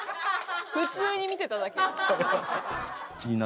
普通に見てただけ。